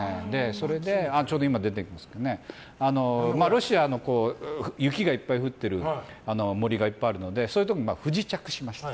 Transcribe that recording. それでちょうど今出てますけどロシアの雪がいっぱい降ってる森がいっぱいあるのでそういうところに不時着しましたと。